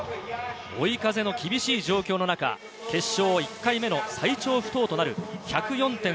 追い風の厳しい状況の中、決勝１回目の最長不倒となる１０４．５ｍ！